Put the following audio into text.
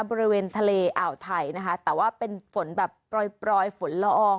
บริเวณทะเลอ่าวไทยนะคะแต่ว่าเป็นฝนแบบปล่อยฝนละออง